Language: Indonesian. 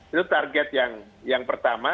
itu target yang pertama